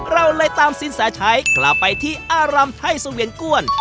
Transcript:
เราเลยตามสินแสชัยกลับไปที่อารำไทยสเวียนก้วน